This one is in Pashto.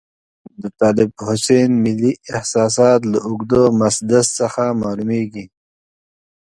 د طالب حسین ملي احساسات له اوږده مسدس څخه معلوميږي.